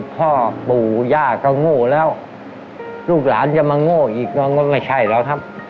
พ่อปู่ย่าก็โง่แล้วลูกหลานจะมาโง่อีกก็ไม่ใช่แล้วครับ